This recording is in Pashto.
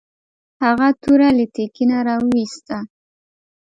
هغه توره له تیکي نه راویوسته.